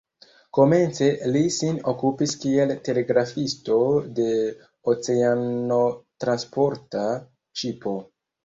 Komence li sin okupis kiel telegrafisto de oceanotransporta ŝipo.